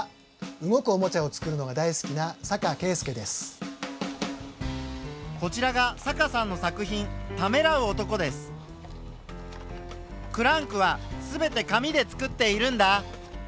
動くおもちゃをつくるのが大好きなこちらがクランクは全て紙でつくっているんだ。